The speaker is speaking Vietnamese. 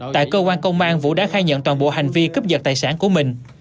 tại cơ quan công an vũ đã khai nhận toàn bộ hành vi cướp giật tài sản của mình